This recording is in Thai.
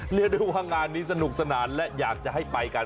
เรียกได้ว่างานนี้สนุกสนานและอยากจะให้ไปกัน